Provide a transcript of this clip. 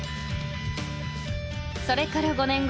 ［それから５年後］